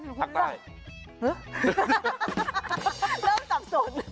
เริ่มสับสน